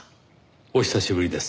お久しぶりです